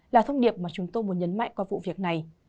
là thông điệp mà chúng tôi muốn nhấn mạnh qua vụ việc này